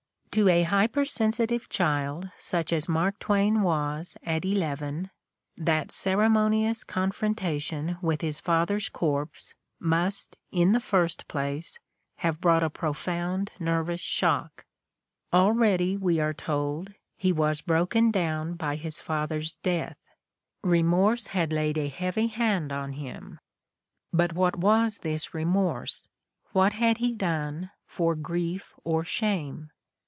To a hypersensitive child such as Mark Twain was at eleven that ceremonious confrontation with his father's corpse must, in the first place, have brought a profound nervous shock. Already, we are told, he was "broken down" by his father's death ; remorse had "laid a heavy The Candidate for Life 41 hand on him." But what was this remorse; what had he done for grief or shame?